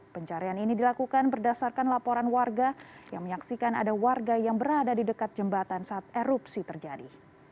pencarian ini dilakukan berdasarkan laporan warga yang menyaksikan ada warga yang berada di dekat jembatan saat erupsi terjadi